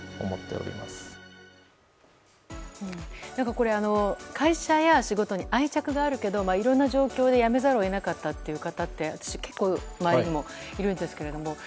これ、会社や仕事に愛着があるけどいろんな状況で辞めざるを得なかった方って私、結構周りにもいるんですけど